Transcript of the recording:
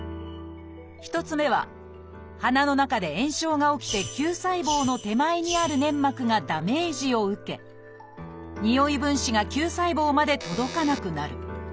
１つ目は鼻の中で炎症が起きて嗅細胞の手前にある粘膜がダメージを受けにおい分子が嗅細胞まで届かなくなる。